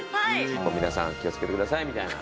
「皆さん気を付けてください」みたいな。